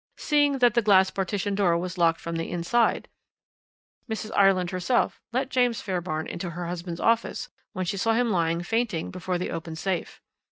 seeing that the glass partition door was locked from the inside; Mrs. Ireland herself let James Fairbairn into her husband's office when she saw him lying fainting before the open safe.